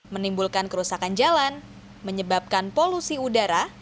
menimbulkan kerusakan jalan menyebabkan polusi udara